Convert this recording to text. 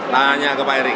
tanya ke pak erick